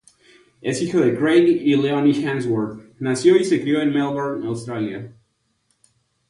Es hijo de Craig y Leonie Hemsworth, nació y se crio en Melbourne, Australia.